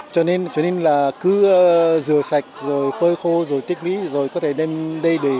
cho nên là cứ rửa sạch rồi phơi khô rồi tiết lý rồi có thể đem đây để